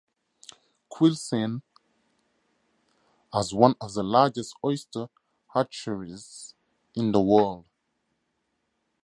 Quilcene has one of the largest oyster hatcheries in the world.